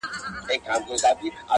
صدقه دي تر تقوا او تر سخا سم،